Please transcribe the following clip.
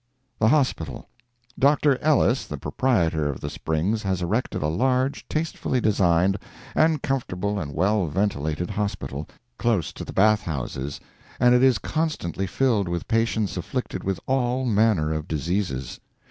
THE HOSPITAL. Dr. Ellis, the proprietor of the Springs, has erected a large, tastefully designed, and comfortable and well ventilated hospital, close to the bath houses, and it is constantly filled with patients afflicted with all manner of diseases.